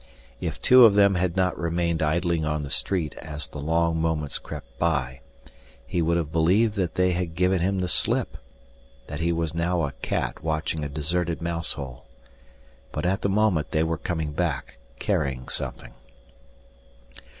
If two of them had not remained idling on the street as the long moments crept by, he would have believed that they had given him the slip, that he was now a cat watching a deserted mouse hole. But at the moment they were coming back, carrying something.